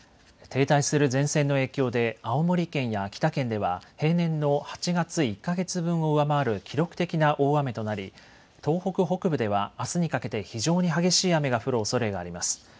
停滞する前線の影響で青森県や秋田県では平年の８月１か月分を上回る記録的な大雨となり東北北部ではあすにかけて非常に激しい雨が降るおそれがあります。